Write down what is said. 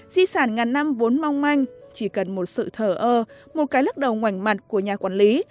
di sản ngàn năm vốn mong manh chỉ cần một sự thở ơ một cái lức đầu ngảnh mặt của nhà quản lý